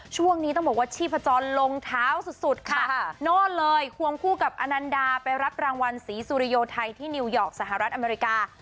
ช่วงนี้ต้องบอกว่าชีพจรลงเท้าสุดค่ะโน่นเลยควงคู่กับอนันดาไปรับรางวัลศรีสุริโยไทยที่นิวยอร์กสหรัฐอเมริกา